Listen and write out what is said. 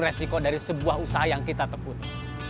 resiko dari sebuah usaha yang kita teput